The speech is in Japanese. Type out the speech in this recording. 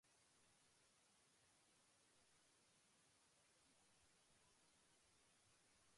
もし警官に追われるようなことがあれば、すばやく、そのマンホールの中へ身をかくし、まったくちがった顔と服装とになって、そしらぬ顔で逃げてしまうのです。